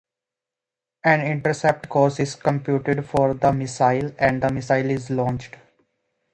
An intercept course is computed for the missile, and the missile is launched.